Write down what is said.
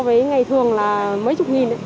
rẻ so với ngày thường là mấy chục nghìn